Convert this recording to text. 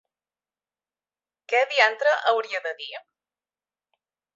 Què diantre hauria de dir?